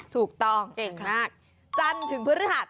ถูกต้องเก่งมากจันทร์ถึงพฤหัส